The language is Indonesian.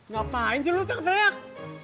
ngapain sih lo teriak teriak